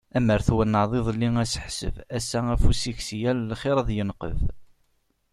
Amer twennɛeḍ iḍelli aseḥseb, ass-a afus-ik si yal lxir ad d-yenqeb.